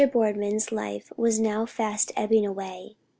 Boardman's life was now fast ebbing away.